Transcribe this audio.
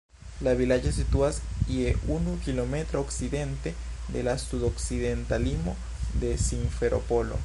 La vilaĝo situas je unu kilometro okcidente de la sud-okcidenta limo de Simferopolo.